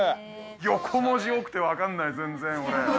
横文字多くてわかんない全然俺。